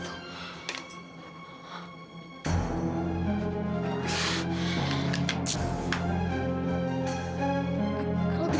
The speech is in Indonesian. jangan jangan diambil sama orang itu